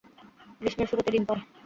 গ্রীষ্মের শুরুতে ডিম পাড়ে।